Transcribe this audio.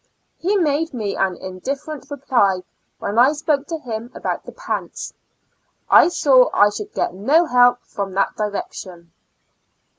He made me an indifferent reply when I spoke to him about the pants. I saw I should get no help from that direction.